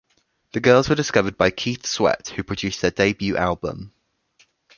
The girls were discovered by Keith Sweat who produced their debut album.